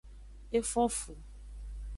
E fon fu.